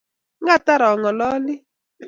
Ngater ang'alali